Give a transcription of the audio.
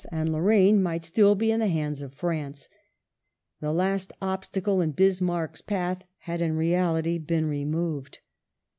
1874] ITALIAN UNITY 421 and Lorraine might still be in the hands of France. The last obstacle in Bismarck's path had in reality been removed.